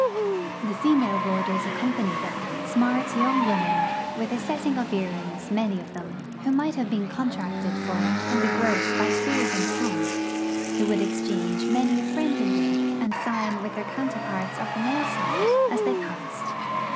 The female warders accompanied them; smart young women with a setting of earrings, many of them, who might have been contracted for in the gross by Spiers and Pond; who would exchange many a friendly wink and sign with their counterparts of the male side as they passed.